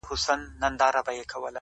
• د زړه ښار کي مي آباده میخانه یې,